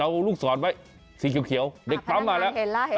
เอาลูกสอนไว้สีเขียวเด็กป๊าฮมาแล้ว